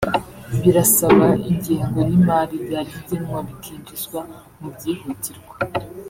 birasaba ingengo y’imari yajya igenwa bikinjizwa mu byihutirwa